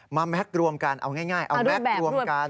แม็กซรวมกันเอาง่ายเอาแม็กซ์รวมกัน